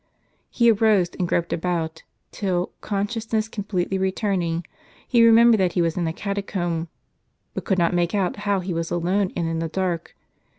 He arose and groped about, till, consciousness completely returning, he remembered that he was in a catacomb, but could not make out how he was alone and in the dark.